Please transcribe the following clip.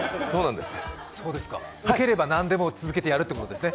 ウケれば何でも続けてやるということですね。